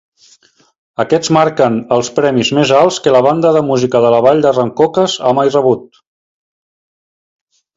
Aquests marquen els premis més alts que la Banda de Música de la Vall de Rancocas ha mai rebut.